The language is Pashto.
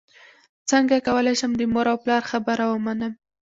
څنګه کولی شم د مور او پلار خبره ومنم